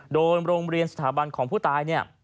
โดยโรงเรียนสถาบันของผู้ตายเนี่ย